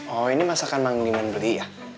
oh ini masakan mang diman beli ya